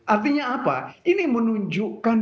artinya apa ini menunjukkan